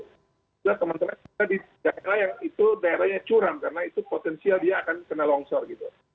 kemudian teman teman di daerah yang curam karena itu potensial dia akan kena longsor gitu